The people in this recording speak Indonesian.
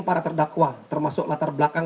para terdakwa termasuk latar belakang